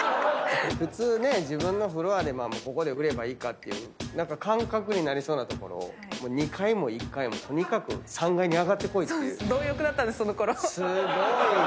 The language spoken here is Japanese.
普通ね自分のフロアでここで売ればいいかっていう感覚になりそうなところを２階も１階もとにかく３階に上がってこいっていう。